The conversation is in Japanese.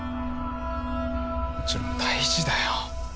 もちろん大事だよ。